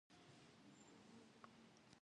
Yi thek'umem f'êy yirêğapşher.